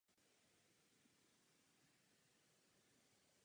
Část dalších orgánů se nachází v dutině břišní.